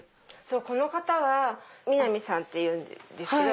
この方は三奈三さんっていうんですけど。